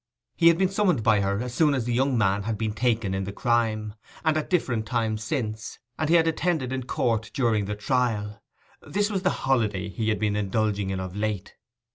He had been summoned by her as soon as the young man was taken in the crime, and at different times since; and he had attended in court during the trial. This was the 'holiday' he had been indulging in of late.